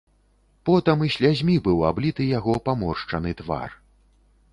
Потам і слязьмі быў абліты яго паморшчаны твар.